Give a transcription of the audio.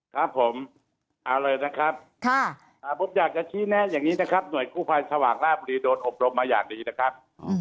ครับผมเอาเลยนะครับผมอยากจะชี้แนะอย่างนี้นะครับหน่วยกู้ภัยสว่างราบบุรีโดนอบรมมาอย่างดีนะครับ